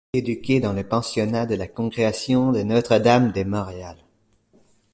Éduquée dans le pensionnat de la congrégation de Notre-Dame de Montréal.